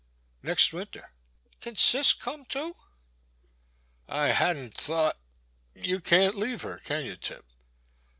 Next winter." Can Cis come too ?" I — ^had n't thought, — ^you can't leave her, can you, Tip?"